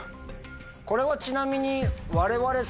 これはちなみに。